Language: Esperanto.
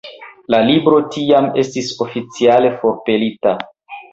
La libro tiam estis oficiale forpelita.